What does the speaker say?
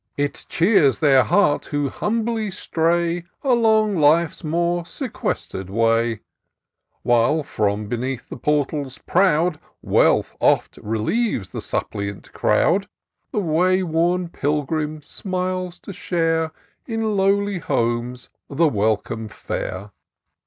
It cheers their hearts who humbly stray Along Life's more sequestered way : While, from beneath the portals proud. Wealth oft relieves the suppliant crowd. The wayworn pilgrim smiles to share. In lowly homes, the welcome fare.